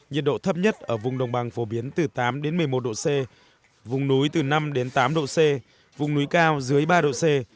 nhiệt độ thấp nhất ở vùng đồng bằng phổ biến từ tám đến một mươi một độ c vùng núi từ năm tám độ c vùng núi cao dưới ba độ c